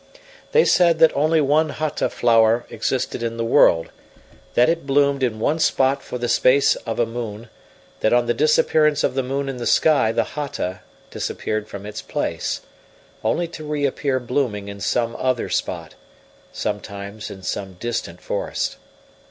They said that only one Hata flower existed in the world; that it bloomed in one spot for the space of a moon; that on the disappearance of the moon in the sky the Hata disappeared from its place, only to reappear blooming in some other spot, sometimes in some distant forest.